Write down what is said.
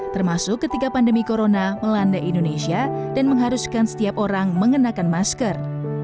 termasuk ketika pandemi corona melanda indonesia dan mengharuskan setiap orang mengenakan masker